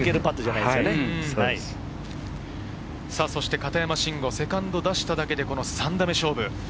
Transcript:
片山晋呉、セカンド出しただけで、３打目勝負。